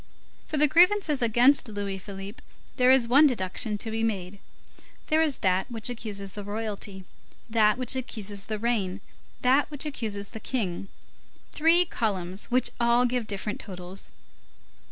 For the grievances against Louis Philippe, there is one deduction to be made; there is that which accuses royalty, that which accuses the reign, that which accuses the King; three columns which all give different totals.